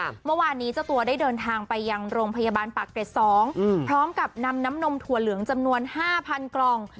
เมื่อวานนี้เจ้าตัวได้เดินทางไปยังโรงพยาบาลปากเกร็ดสองอืมพร้อมกับนำน้ำนมถั่วเหลืองจำนวนห้าพันกล่อง